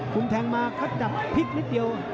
คุณแทงมาเขาดับพลิกนิดเดียว